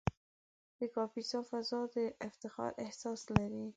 د کاپیسا فضا د افتخار احساس لري.